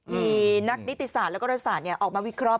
มีนักนิติศาสตร์แล้วก็รัฐศาสตร์ออกมาวิเคราะ